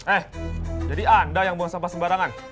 eh jadi anda yang buang sampah sembarangan